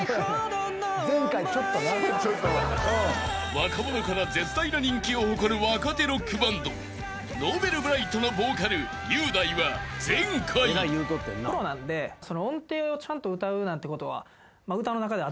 ［若者から絶大な人気を誇る若手ロックバンドＮｏｖｅｌｂｒｉｇｈｔのボーカル雄大は前回］感じでいこうかなと思います。